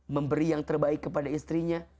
memberi yang terbaik kepada istrinya